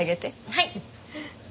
はい！